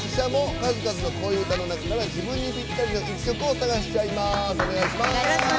数々の恋うたの中から自分にぴったりの曲を探しちゃいます！